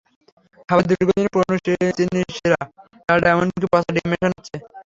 খাবারে দীর্ঘদিনের পুরোনো চিনির শিরা, ডালডা এমনকি পচা ডিম মেশানো হচ্ছে।